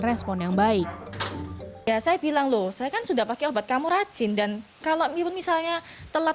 respon yang baik ya saya bilang loh saya kan sudah pakai obat kamu rajin dan kalau misalnya telat